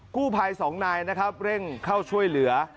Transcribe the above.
กู้ภัยสองนายเร่งเข้าช่วยเหลือ